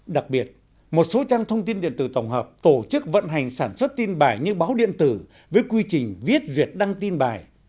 đặc biệt một số trang thông tin điện tử tổng hợp tổ chức vận hành sản xuất tin bài như báo điện tử với quy trình viết duyệt đăng tin bài